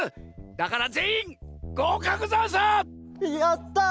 だからぜんいんごうかくざんす！やった！